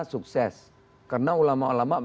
sukses karena ulama ulama